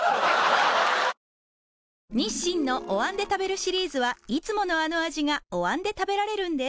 日清のお椀で食べるシリーズはいつものあの味がお椀で食べられるんです